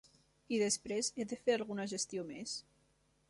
I després, he de fer alguna gestió més?